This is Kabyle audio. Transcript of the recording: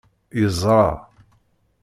Yeẓra.